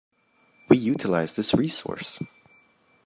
We utilize this resource.